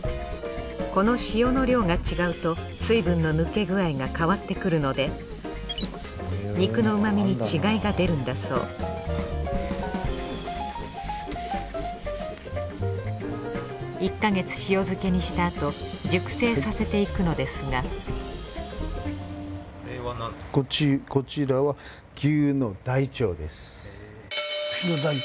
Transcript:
この塩の量が違うと水分の抜け具合が変わってくるので肉の旨味に違いが出るんだそう１か月塩漬けにしたあと熟成させていくのですがこれはなんですか？